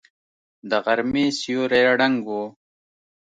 د غرمې سیوری ړنګ و.